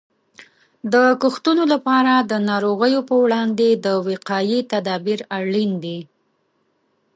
د کښتونو لپاره د ناروغیو په وړاندې د وقایې تدابیر اړین دي.